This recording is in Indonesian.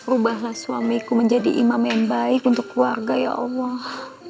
ubahlah suamiku menjadi imam yang baik untuk keluarga ya allah